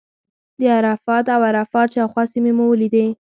د عرفات او عرفات شاوخوا سیمې مو ولیدې.